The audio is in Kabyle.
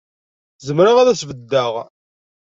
Zemreɣ ad as-beddeɣ.